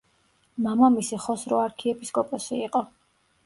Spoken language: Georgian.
მამამისი ხოსრო არქიეპისკოპოსი იყო.